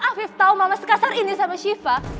kalau hafif tau mama sekasar ini sama siva